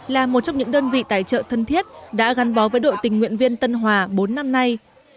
là một trong những đơn vị tài trợ thân thiết đã gắn bó với đội tình nguyện viên tân hòa bốn năm nay